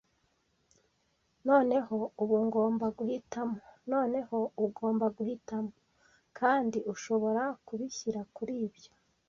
“Noneho ubu ngomba guhitamo?” “Noneho ugomba guhitamo, kandi ushobora kubishyira kuri ibyo.”